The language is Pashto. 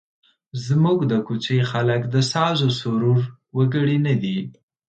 زموږ د کوڅې خلک د سازوسرور وګړي نه دي.